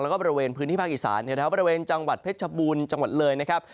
แล้วก็บริเวณพื้นที่ภาคอีสานแถวบริเวณจังหวัดเพชรชบูรณ์จังหวัดเลยนะครับ